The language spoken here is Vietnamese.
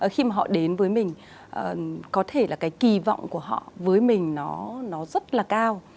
khi mà họ đến với mình có thể là cái kỳ vọng của họ với mình nó rất là cao